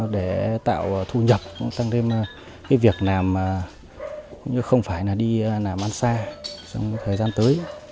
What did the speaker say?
để tạo thu nhập tăng thêm việc làm không phải đi làm ăn xa trong thời gian tới